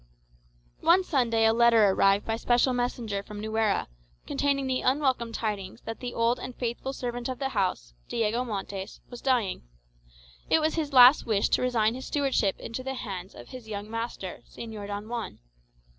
One Sunday a letter arrived by special messenger from Nuera, containing the unwelcome tidings that the old and faithful servant of the house, Diego Montes, was dying. It was his last wish to resign his stewardship into the hands of his young master, Señor Don Juan.